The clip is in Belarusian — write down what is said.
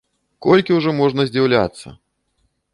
Колькі ўжо можна здзіўляцца?